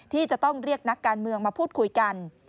ที่จะต้องเรียกนักการเมืองมาพูดคุยกัน